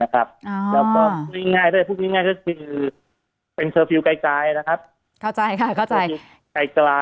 แล้วก็พูดง่ายเป็นเซอร์ฟิวไกล